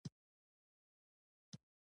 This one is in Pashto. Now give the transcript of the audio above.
ګازونه د فشار سره حساس دي.